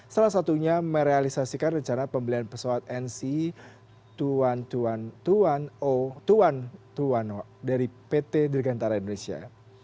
salah satunya merealisasikan rencana pembelian pesawat nc dua ribu satu ratus dua puluh satu o dari pt dirgantara indonesia